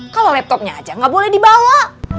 kalo laptopnya aja gak boleh dibawa